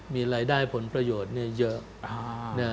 มีรายได้ผลประโยชน์เยอะ